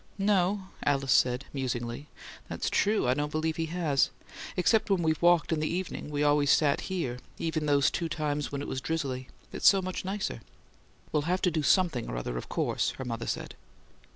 "No," Alice said, musingly; "that's true: I don't believe he has. Except when we've walked in the evening we've always sat out here, even those two times when it was drizzly. It's so much nicer." "We'll have to do SOMETHING or other, of course," her mother said.